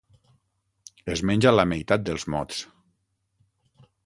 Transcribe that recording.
Es menja la meitat dels mots.